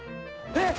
えっ！？